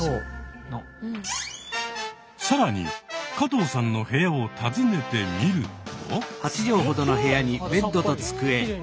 更に加藤さんの部屋を訪ねてみると。